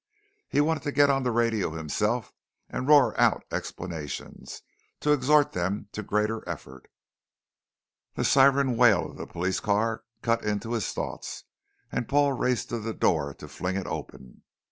He wanted to get on the radio himself and roar out explanations, to exhort them to greater effort The siren wail of the police car cut into his thoughts and Paul raced to the door to fling it open.